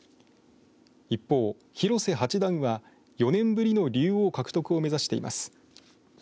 一方、広瀬八段は４年ぶりの竜王獲得を目指しています。